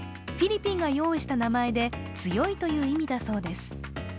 フィリピンが用意した名前で強いという意味だそうです。